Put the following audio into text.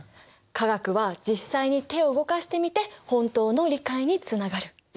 化学は実際に手を動かしてみて本当の理解につながる。